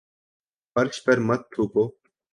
فرش پر مت تھوکو